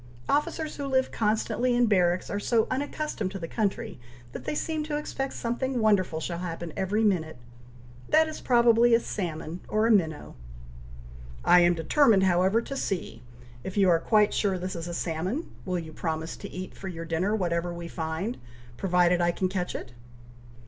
Officers who live constantly in barracks are so unaccustomed to the country, that they seem to expect something wonderful shall happen every minute! That is probably a salmon or a minnow." "I am determined, however, to see. If you are quite sure this is a salmon, will you promise to eat for your dinner whatever we find, provided I can catch it?"